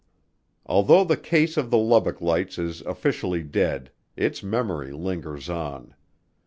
Although the case of the Lubbock Lights is officially dead, its memory lingers on.